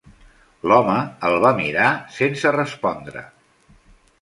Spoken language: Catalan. L'home el va mirar sense respondre.